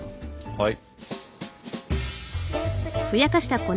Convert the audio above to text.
はい。